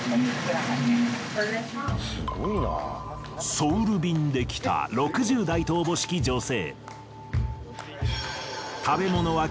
ソウル便で来た６０代とおぼしき女性。